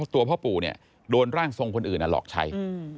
ตัวพ่อปู่เนี่ยโดนร่างทรงคนอื่นหลอกใช้